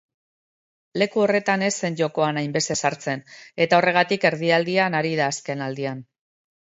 Leku horretan ez zen jokoan hainbeste sartzen eta horregatik erdialdian ari da azkenaldian.